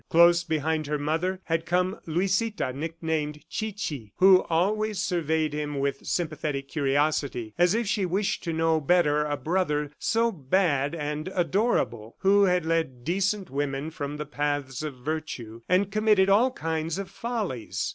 Close behind her mother had come Luisita, nicknamed Chichi, who always surveyed him with sympathetic curiosity as if she wished to know better a brother so bad and adorable who had led decent women from the paths of virtue, and committed all kinds of follies.